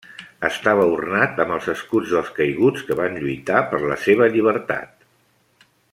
Estava ornat amb els escuts dels caiguts que van lluitar per la seva llibertat.